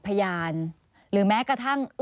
พยานหรือแม้กระทั่ง